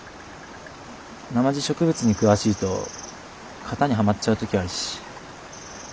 なまじ植物に詳しいと型にはまっちゃう時あるし。